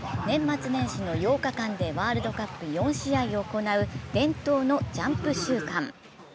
年末年始の８日間でワールドカップ４試合を行う伝統のジャンプ週間。